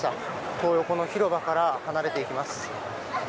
「トー横」の広場から離れていきます。